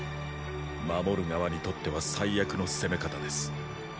守る側にとっては最悪の攻め方です。